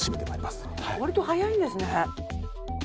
割と早いんですね。